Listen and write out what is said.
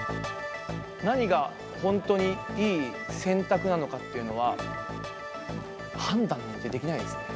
何が本当にいい選択なのかっていうのは、判断できないです。